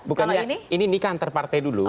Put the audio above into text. bukannya ini nikah antar partai dulu